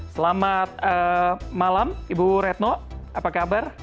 selamat malam ibu retno apa kabar